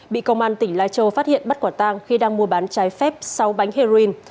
bị công an tỉnh lai châu phát hiện bắt quả tang khi đang mua bán trái phép sáu bánh heroin